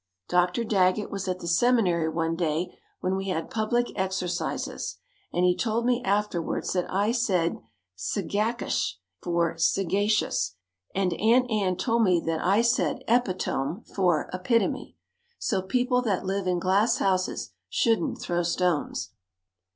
Dr. Daggett was at the Seminary one day when we had public exercises and he told me afterwards that I said "sagac ious" for "saga cious" and Aunt Ann told me that I said "epi tome" for "e pit o me." So "people that live in glass houses shouldn't throw stones."